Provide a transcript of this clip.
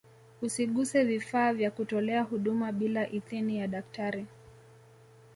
usiguse vifaa vya kutolea huduma bila idhini ya daktari